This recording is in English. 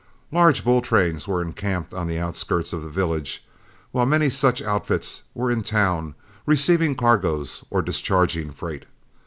Large bull trains were encamped on the outskirts of the village, while many such outfits were in town, receiving cargoes or discharging freight.